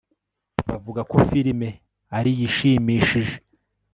Bavuga ko firime ari iyishimishije